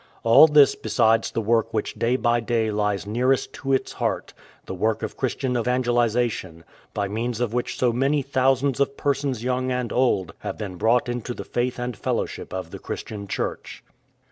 All this besides the work which day by day lies nearest to its heart — the work of Christian evangelization, by means of which so many thousands of persons young and old have been brought into the faith and fellowship of the Christian Church.